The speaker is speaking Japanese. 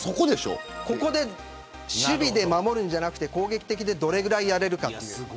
ここで守備で守るんじゃなくて攻撃的でどれだけやれるか。